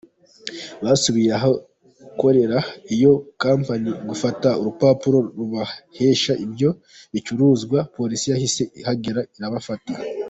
Basubiye ahakorera iyo Kompanyi gufata urupapuro rubahesha ibyo bicuruzwa, Polisi yahise ihagera irabafata.